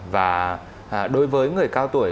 và đối với người cao tuổi